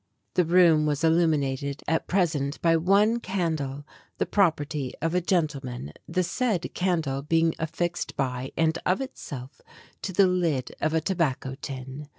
The room was illuminated at present by one candle, the property of a gentleman, the said can dle being affixed by and of itself to the lid of a tobacco tin.